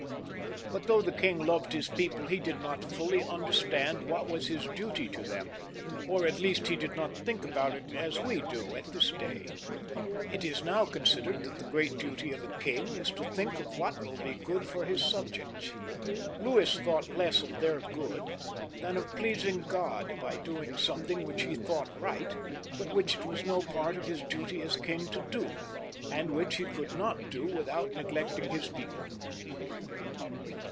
But though the king loved his people, he did not fully understand what was his duty to them, or at least he did not think about it as we do at this day. It is now con xixj LOUIS IX, {SAINT LOUIS), 115 sidered that the great duty of a king is to think of what will be good for his subjects. Louis thought less of their good than of pleasing God by doing something which he thought right, but which it was no part of his duty as king to do, and which he could not do without neglecting his people.